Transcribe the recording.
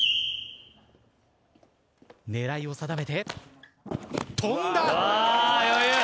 狙いを定めて跳んだ！